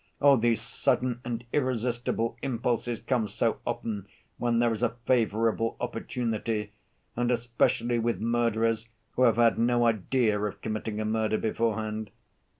Oh! these sudden and irresistible impulses come so often when there is a favorable opportunity, and especially with murderers who have had no idea of committing a murder beforehand.